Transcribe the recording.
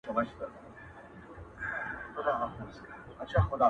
چي یې ځانته خوښوم بل ته یې هم غواړمه خدایه,